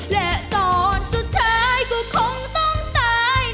และก่อนสุดท้ายก็คงต้องตาย